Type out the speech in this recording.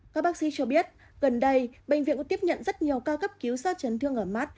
các bác sĩ cho biết gần đây bệnh viện tiếp nhận rất nhiều ca cấp cứu do chấn thương ở mắt